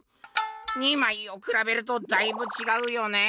「２まいをくらべるとだいぶ違うよね。